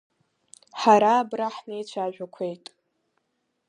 Ҳара абра ҳнеицәажәақәеит…